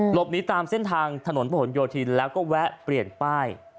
หลบหนีตามเส้นทางถนนผนโยธินแล้วก็แวะเปลี่ยนป้าย